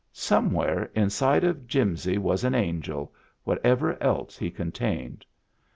Somewhere inside of Jimsy was an angel, what ever else he contained.